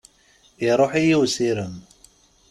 Iruḥ-iyi usirem.